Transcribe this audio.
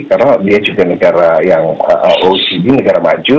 karena dia juga negara yang oecd negara maju